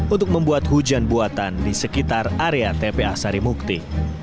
untuk membuat hujan buatan di sekitar area tpa sarimukti